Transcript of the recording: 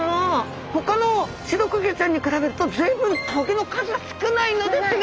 ほかの刺毒魚ちゃんに比べると随分棘の数が少ないのですが。